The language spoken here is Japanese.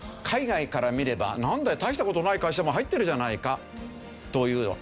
海外から見ればなんだよ大した事ない会社も入ってるじゃないかという。